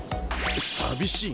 寂しい。